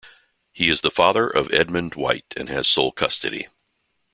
He is the father of Edmund White, and has sole custody.